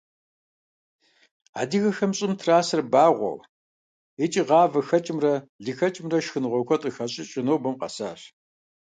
Адыгэхэм щӀым трасэр багъуэу иӀки гъавэ хэкӀымрэ лы хэкӀымрэ шхыныгъуэ куэд къыхащӀыкӀыу нобэм къэсащ.